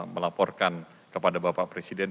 melaporkan kepada bapak presiden